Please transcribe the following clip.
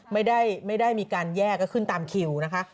ไม่ได้มีการแยกก็ขึ้นตามคิวนะคะ